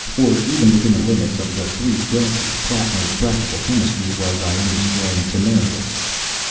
For even within the limits of the Three Gases, Plattner's practical chemistry was, I understand, temerarious.